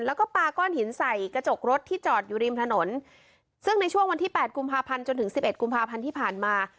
แล้วก็ปาก้อนหินใส่กระจกรถที่จอดอยู่ริมถนนซึ่งในช่วงวันที่แปดกุมภาพันธ์จนถึงสิบเอ็ดกุมภาพันธ์ที่ผ่านมา